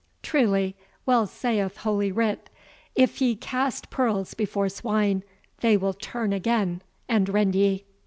Truly, well saith holy writ, 'if ye cast pearls before swine, they will turn again and rend ye.